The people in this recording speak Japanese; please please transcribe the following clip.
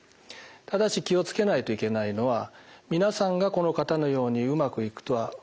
ただし気を付けないといけないのは皆さんがこの方のようにうまくいくとは限らないわけですね。